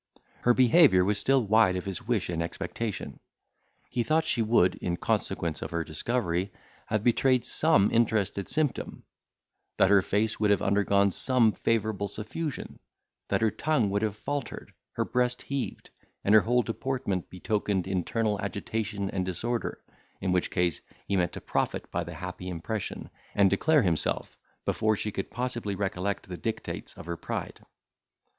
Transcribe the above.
Her behaviour was still wide of his wish and expectation. He thought she would, in consequence of her discovery, have betrayed some interested symptom; that her face would have undergone some favourable suffusion; that her tongue would have faltered, her breast heaved, and her whole deportment betokened internal agitation and disorder, in which case, he meant to profit by the happy impression, and declare himself, before she could possibly recollect the dictates of her pride.